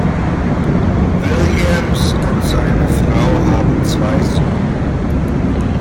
Williams und seine Frau haben zwei Söhne.